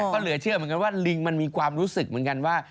ก็เหลือเชื่อเหมือนกันว่าลิงมันมีความรู้สึกเหมือนกันว่า